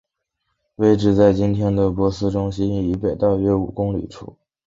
位置在今天的珀斯中心以北大约五公里处。